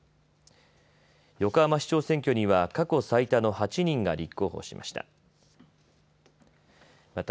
横浜市長選挙には過去最多の８人が立候補しました。